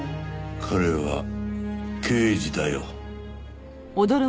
彼は刑事だよ。